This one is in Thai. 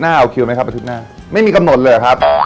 อะไรแพงเอาไหมหมดเลย